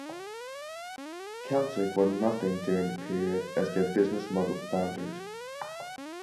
Celtic won nothing during the period as their business model foundered.